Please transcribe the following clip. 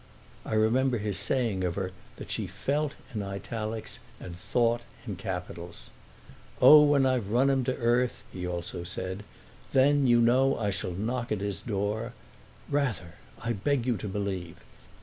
I remember his saying of her that she felt in italics and thought in capitals. "Oh when I've run him to earth," he also said, "then, you know, I shall knock at his door. Rather—I beg you to believe.